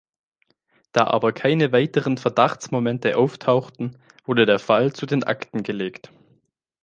Da aber keine weiteren Verdachtsmomente auftauchten, wurde der Fall zu den Akten gelegt.